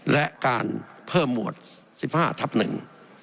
และการเพิ่มหมวดสิบห้าทับหนึ่ง